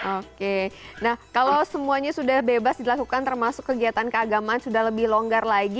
oke nah kalau semuanya sudah bebas dilakukan termasuk kegiatan keagamaan sudah lebih longgar lagi